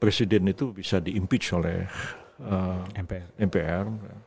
presiden itu bisa diimpeach oleh mpr